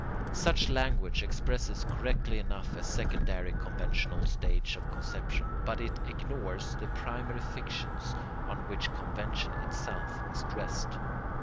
] Such language expresses correctly enough a secondary conventional stage of conception, but it ignores the primary fictions on which convention itself must rest.